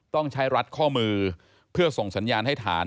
ต้องใช้รัดข้อมือเพื่อส่งสัญญาณให้ฐาน